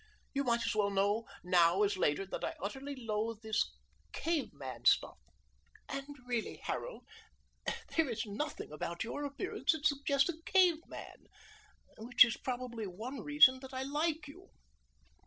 You might as well know now as later that I utterly loathe this cave man stuff. And really, Harold, there is nothing about your appearance that suggests a cave man, which is probably one reason that I like you."